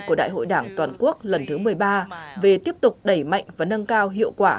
của đại hội đảng toàn quốc lần thứ một mươi ba về tiếp tục đẩy mạnh và nâng cao hiệu quả